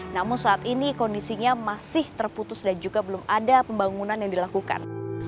namun saat ini kondisinya masih terputus dan juga belum ada pembangunan yang dilakukan